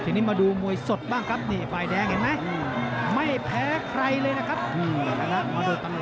ทีนี้มาดูมวยสดบ้างครับนี่ฝ่ายแดงเห็นไหม